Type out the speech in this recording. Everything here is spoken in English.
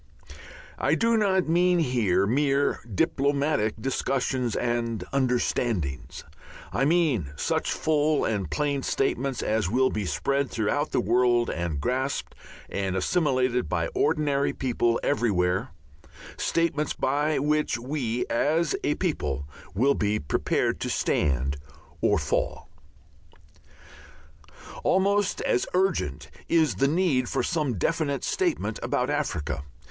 I do not mean here mere diplomatic discussions and "understandings," I mean such full and plain statements as will be spread through the whole world and grasped and assimilated by ordinary people everywhere, statements by which we, as a people, will be prepared to stand or fall. Almost as urgent is the need for some definite statement about Africa.